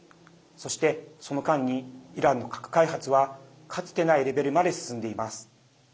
そして、その間にイランの核開発はかつてないレベルまで進んでいます。